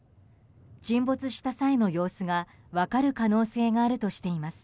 沈没した際の様子が分かる可能性があるとしています。